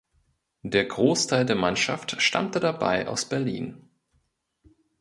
Der Großteil der Mannschaft stammte dabei aus Berlin.